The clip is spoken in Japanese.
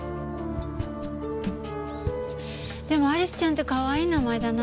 でもアリスちゃんってかわいい名前だな。